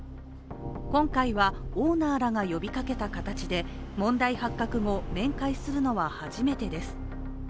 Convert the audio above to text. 今回はオーナーらが呼びかけた形で問題発覚後、面会するのは初めてです。